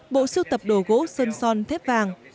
bộ sưu tập đồ gỗ sơn son thép vàng